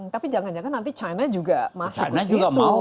tapi jangan jangan nanti china juga masuk ke situ